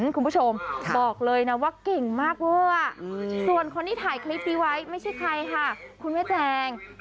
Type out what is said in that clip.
ครูผู้ชมบอกเลยว่าเก่งมากส่วนคนที่ถ่ายคลิปมักด้วยไว้คุณแม่แจ๊ง